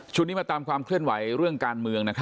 มาตามความเคลื่อนไหวเรื่องการเมือง